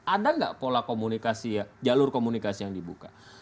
ada nggak pola komunikasi jalur komunikasi yang dibuka